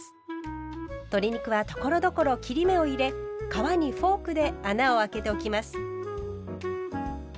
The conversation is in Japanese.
鶏肉はところどころ切り目を入れ皮にフォークで穴をあけておきます。